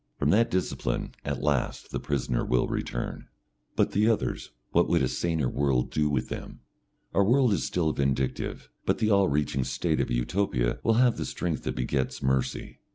From that discipline at last the prisoners will return. But the others; what would a saner world do with them? Our world is still vindictive, but the all reaching State of Utopia will have the strength that begets mercy.